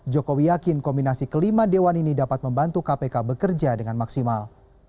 jokowi yakin kombinasi kelima dewan ini dapat membantu kpk bekerja dengan maksimal